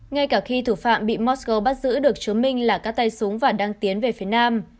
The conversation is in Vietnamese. ngay cả khi thủ phạm bị mosco bắt giữ được chứng minh là các tay súng và đang tiến về phía nam